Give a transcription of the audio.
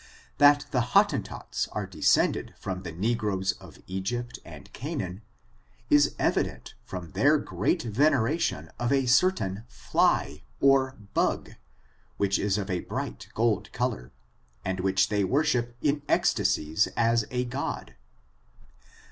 That the Hottentots are de scended from the negroes of Egypt and Canaan, is evident from their great veneration of a certainly, or bug, which is of a bright gold color, and which they worship in ecstasies as a god.